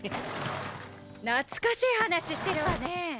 懐かしい話してるわねえ。